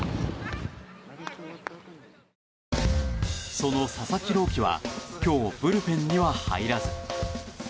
その佐々木朗希は今日、ブルペンには入らず。